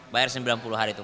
bayar sembilan puluh hari itu